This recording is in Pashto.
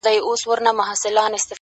سایه یې نسته او دی روان دی’